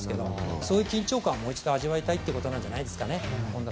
そういう緊張感を本田さんはもう一度味わいたいということじゃないですかね。